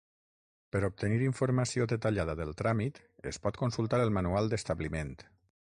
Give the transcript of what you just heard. Per obtenir informació detallada del tràmit es pot consultar el Manual d'Establiment.